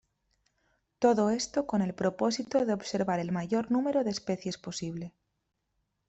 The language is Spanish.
Todo esto con el propósito de observar el mayor número de especies posible.